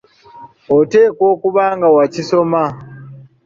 Oteekwa okuba nga wakisoma.